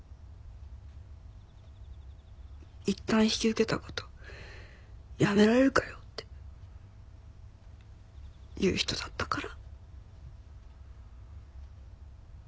「いったん引き受けた事やめられるかよ」って言う人だったから。